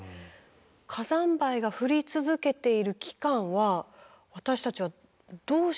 火山灰が降り続けている期間は私たちはどうしていたらいいんですかね？